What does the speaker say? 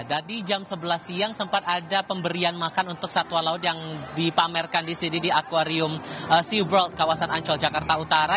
tadi jam sebelas siang sempat ada pemberian makan untuk satwa laut yang dipamerkan di sini di aquarium sea world kawasan ancol jakarta utara